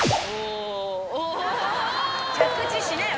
着地しなよ！